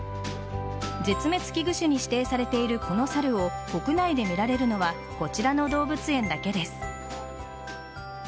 絶滅危惧種に指定されているこの猿を国内で見られるのはこちらの動物園だけです。